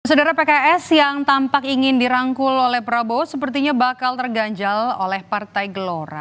saudara pks yang tampak ingin dirangkul oleh prabowo sepertinya bakal terganjal oleh partai gelora